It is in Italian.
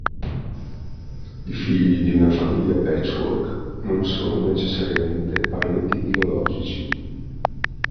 I figli di una famiglia patchwork non sono necessariamente parenti biologici.